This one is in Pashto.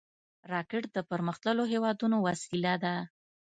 راکټ د پرمختللو هېوادونو وسیله ده